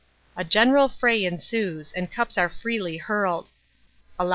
A general fray ensues, and cups are freely * See above.